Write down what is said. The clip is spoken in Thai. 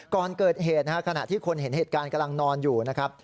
ก่อนเกิดเหตุขณะที่คนเห็นเหตุการณ์กำลังนอนอยู่นะครับ